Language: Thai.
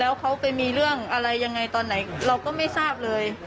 แล้วเขาไปมีเรื่องอะไรยังไงตอนไหนเราก็ไม่ทราบเลย